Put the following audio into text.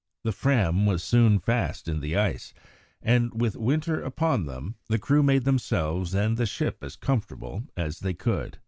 The Fram was soon fast in the ice and, with winter upon them, the crew made themselves and the ship as comfortable as they could.